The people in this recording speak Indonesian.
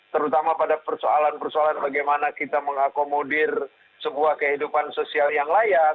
terutama pada persoalan persoalan bagaimana kita mengakomodir sebuah kehidupan sosial yang layak